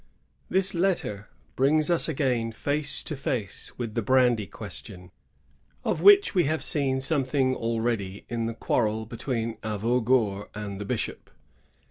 ^ This letter brings us again face to face with the brandy question, of which we have seen something already in the quarrel between Avaugour and the bishop.